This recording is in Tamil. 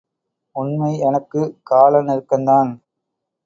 உண்மை, எனக்குக் காலநெருக்கந்தான்.